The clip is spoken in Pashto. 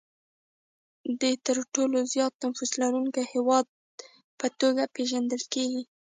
چین د نړۍ د تر ټولو زیات نفوس لرونکي هېواد په توګه پېژندل کېږي.